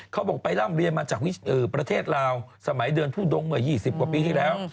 เขาบอกไปร่ำเรียนมาจากประเทศลาวสมัยเดินทุดงเมื่อ๒๐กว่าปีที่แล้ว